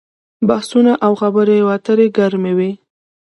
بحثونه او خبرې اترې ګرمې وي.